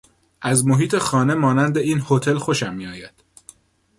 از محیط خانه مانند این هتل خوشم میآید.